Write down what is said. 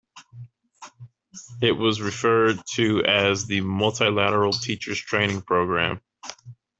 It was referred to as the Multilateral Teachers' Training Programme.